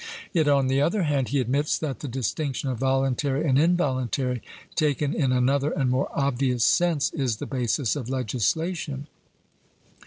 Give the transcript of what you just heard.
Yet, on the other hand, he admits that the distinction of voluntary and involuntary, taken in another and more obvious sense, is the basis of legislation.